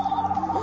あ！